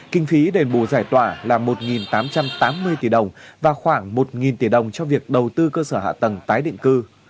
kinh phí đền bù giải tỏa là một tám trăm tám mươi tỷ đồng và khoảng một tỷ đồng cho việc đầu tư cơ sở hạ tầng tái định cư